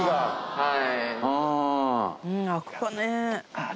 はい。